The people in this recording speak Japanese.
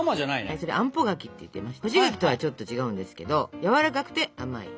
はいそれあんぽ柿っていって干し柿とはちょっと違うんですけどやわらかくて甘いんですね。